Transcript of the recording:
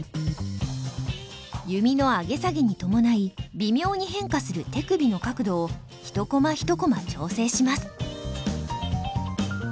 弓の上げ下げに伴い微妙に変化する手首の角度を１コマ１コマ調整します。